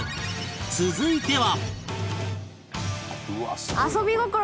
続いては